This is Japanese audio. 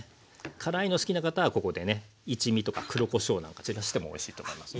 辛いの好きな方はここでね一味とか黒こしょうなんか散らしてもおいしいと思いますね。